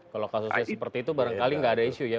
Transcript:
kalau kasusnya seperti itu barangkali nggak ada isu ya